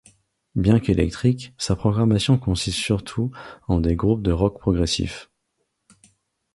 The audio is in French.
Bien qu'éclectique, sa programmation consiste surtout en des groupes de rock progressif.